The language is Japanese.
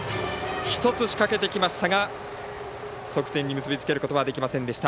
１つ仕掛けてきましたが得点に結びつけることはできませんでした。